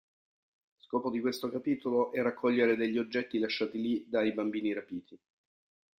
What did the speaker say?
Scopo di questo capitolo è raccogliere degli oggetti lasciati lì dai bambini rapiti.